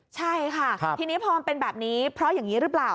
ใช่ค่ะทีนี้พอมันเป็นแบบนี้เพราะอย่างนี้หรือเปล่า